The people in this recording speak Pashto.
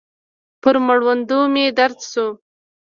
پر مړوندو مې درد سو.